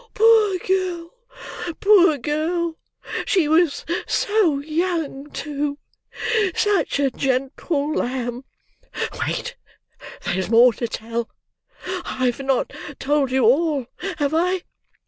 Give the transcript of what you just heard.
Poor girl! poor girl! She was so young, too! Such a gentle lamb! Wait; there's more to tell. I have not told you all, have I?"